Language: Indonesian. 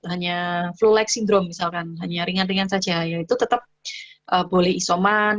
hanya flu like syndrome misalkan hanya ringan ringan saja yaitu tetap boleh isoman